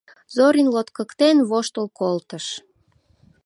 Зорин лоткыктен воштыл колтыш.